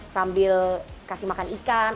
sambil kasih makan ikan